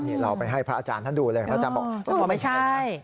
นี่เราไปให้พระอาจารย์ท่านดูเลยพระอาจารย์บอกก็ไม่ใช่นะ